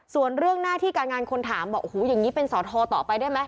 ส่วนเรื่องหน้าที่การงานคนถามบอกโอ้โหอย่างนี้เป็นสอทอต่อไปได้ไหม